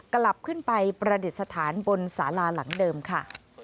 กลับขึ้นไปประดิษฐานบนสาราหลังเดิมค่ะ